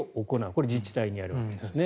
これは自治体にやるわけですね。